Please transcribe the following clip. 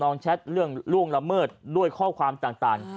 แชทเรื่องล่วงละเมิดด้วยข้อความต่าง